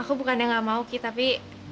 aku bukannya gak mau ki tapi